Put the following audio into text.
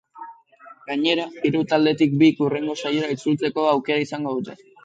Gainera, hiru taldeetatik bik hurrengo saiora itzultzeko aukera izango dute.